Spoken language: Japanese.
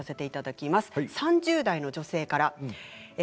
３０代の女性からです。